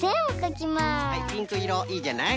はいピンクいろいいじゃない。